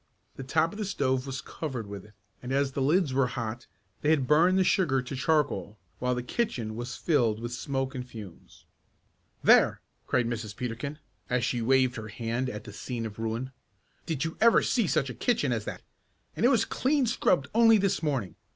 The top of the stove was covered with it, and as the lids were hot they had burned the sugar to charcoal, while the kitchen was filled with smoke and fumes. "There!" cried Mrs. Peterkin, as she waved her hand at the scene of ruin. "Did you ever see such a kitchen as that? And it was clean scrubbed only this morning!